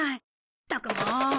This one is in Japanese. ったくもう！